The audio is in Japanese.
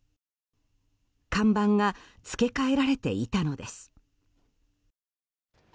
看板が付け替えられていたのです。